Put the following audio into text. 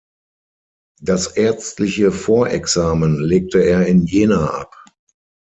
Das ärztliche Vorexamen legte er in Jena ab.